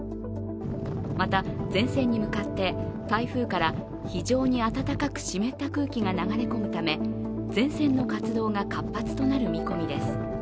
また前線に向かって台風から非常に暖かく湿った空気が流れ込むため前線の活動が活発となる見込みです。